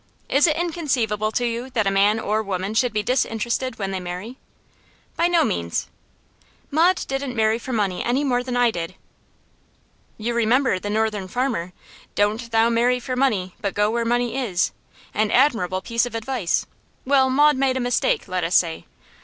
Is it inconceivable to you that a man or woman should be disinterested when they marry?' 'By no means.' 'Maud didn't marry for money any more than I did.' 'You remember the Northern Farmer: "Doan't thou marry for money, but go where money is." An admirable piece of advice. Well, Maud made a mistake, let us say.